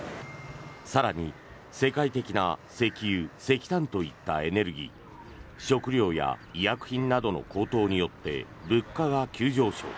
更に世界的な石油・石炭といったエネルギー食糧や医薬品などの高騰によって物価が急上昇。